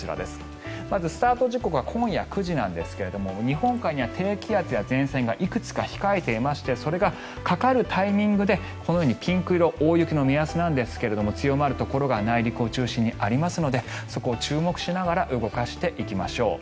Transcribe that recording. まずスタート時刻は今夜９時なんですが日本海には低気圧や前線がいくつか控えていましてそれがかかるタイミングでこのようにピンク色大雪の目安なんですが強まるところが内陸を中心にありますのでそこを注目しながら動かしていきましょう。